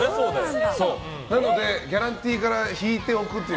なのでギャランティーから引いておくという。